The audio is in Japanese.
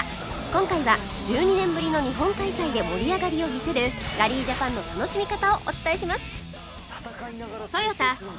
今回は１２年ぶりの日本開催で盛り上がりを見せるラリージャパンの楽しみ方をお伝えします